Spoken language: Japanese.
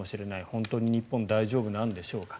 本当に日本大丈夫なんでしょうか。